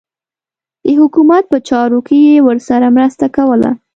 د حکومت په چارو کې یې ورسره مرسته کوله.